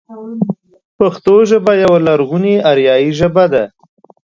پښتو ژبه يوه لرغونې اريايي ژبه ده.